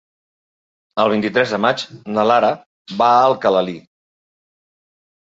El vint-i-tres de maig na Lara va a Alcalalí.